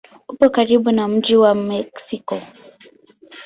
Upo karibu na mji wa Meksiko.